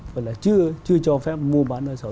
và chưa cho phép mua bán nợ xấu